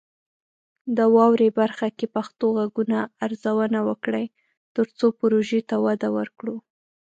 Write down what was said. د "واورئ" برخه کې پښتو غږونه ارزونه وکړئ، ترڅو پروژې ته وده ورکړو.